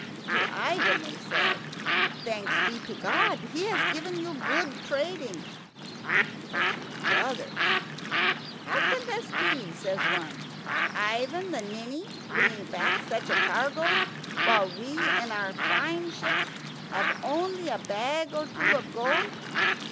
To Ivan they said, "Thanks be to God, He has given you good trading." But to each other, "How can this be?" says one. "Ivan the Ninny bringing back such a cargo, while we in our fine ships have only a bag or two of gold."